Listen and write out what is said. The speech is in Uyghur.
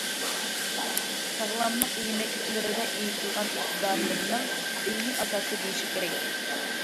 ساغلاملىق يېمەكلىكلىرىدە ئېيتىلغان ئىقتىدارلىرىنىڭ ئىلمىي ئاساسى بولۇشى كېرەك.